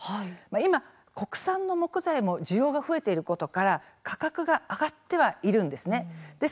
今、国産の木材の需要が増えていることから価格が上がってはいます。